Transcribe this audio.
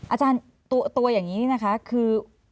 อาจารย์ตัวอย่างนี้นี่นะคะคือ